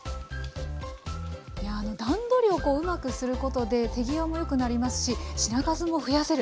いや段取りをうまくすることで手際もよくなりますし品数も増やせる。